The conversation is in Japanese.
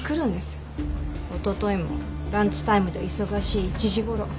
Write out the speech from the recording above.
おとといもランチタイムで忙しい１時頃。